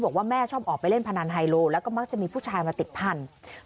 บอกว่าแม่ชอบออกไปเล่นพนันไฮโลแล้วก็มักจะมีผู้ชายมาติดพันธุ์